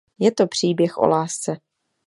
Je to příběh o lásce.